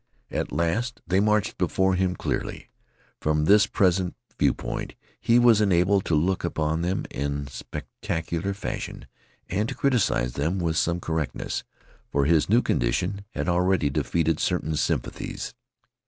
At last they marched before him clearly. From this present view point he was enabled to look upon them in spectator fashion and to criticise them with some correctness, for his new condition had already defeated certain sympathies.